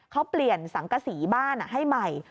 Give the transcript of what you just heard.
เขาเปลี่ยนสังกษีบ้านให้ใหม่